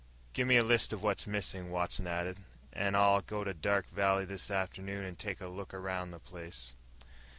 "Give me a list of what's missin'," Watson added, "an' I'll go to Dark Valley this afternoon and take a look around the place."